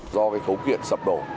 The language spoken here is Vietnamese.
do cái cấu kiện sập đổ